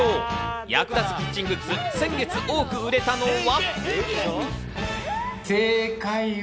役立つキッチングッズ、先月、多く売れたのは。